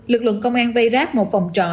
lực lượng công an vây ráp một phòng trọ